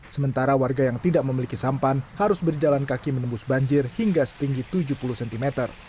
sementara warga yang tidak memiliki sampan harus berjalan kaki menembus banjir hingga setinggi tujuh puluh cm